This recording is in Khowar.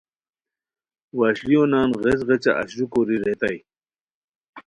وشلیو نان غیچ غیچہ اشرو کوری ریتائے